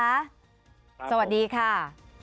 สวัสดีค่ะสวัสดีครับ